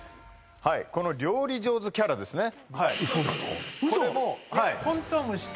はいこの料理上手キャラですね